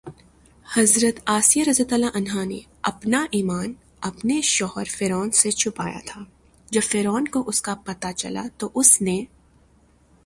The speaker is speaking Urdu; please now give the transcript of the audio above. حضرت آسیہ رضی اللہ تعالٰی عنہا نے اپنا ایمان اپنے شوہر فرعون سے چھپایا تھا، جب فرعون کو اس کا پتہ چلا تو اس نے